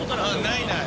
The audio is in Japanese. ないない。